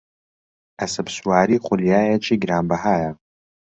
ئەسپسواری خولیایەکی گرانبەهایە.